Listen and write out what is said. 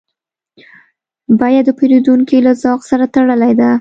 بیه د پیرودونکي له ذوق سره تړلې ده.